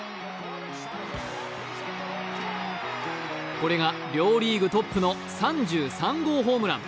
これが両リーグトップの３３号ホームラン。